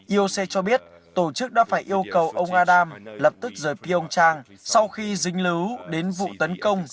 ioc cho biết tổ chức đã phải yêu cầu ông adam lập tức rời pion trang sau khi dính lứ đến vụ tấn công